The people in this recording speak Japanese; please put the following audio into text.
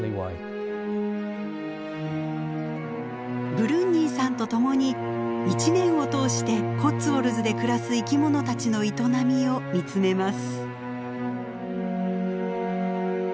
ブルンニーさんとともに一年を通してコッツウォルズで暮らす生き物たちの営みを見つめます。